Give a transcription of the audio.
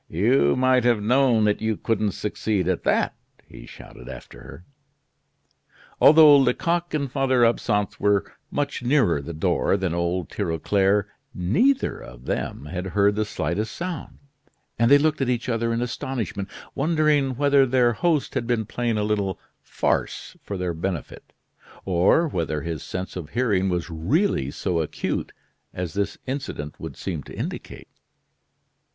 "You might have known that you couldn't succeed at that!" he shouted after her. Although Lecoq and Father Absinthe were much nearer the door than old Tirauclair, neither of them had heard the slightest sound; and they looked at each other in astonishment, wondering whether their host had been playing a little farce for their benefit, or whether his sense of hearing was really so acute as this incident would seem to indicate.